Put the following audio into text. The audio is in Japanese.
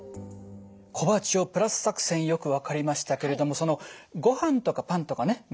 「小鉢をプラス」作戦よく分かりましたけれどもそのご飯とかパンとかね